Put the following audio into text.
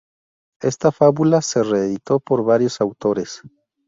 Esta fábula se reeditó por varios autores.